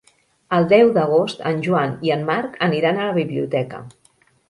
El deu d'agost en Joan i en Marc aniran a la biblioteca.